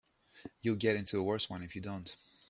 You'll get into a worse one if you don't.